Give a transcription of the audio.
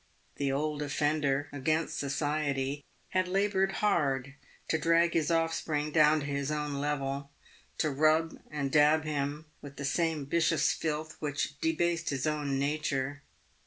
The old offender against society had laboured hard to drag his offspring down to his own level— to rub and daub him with the same vicious filth which debased his own nature.